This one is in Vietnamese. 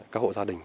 các hộ gia đình